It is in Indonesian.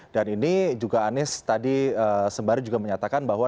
dan ini juga anies tadi sembari juga menyatakan bahwa